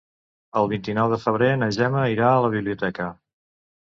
El vint-i-nou de febrer na Gemma irà a la biblioteca.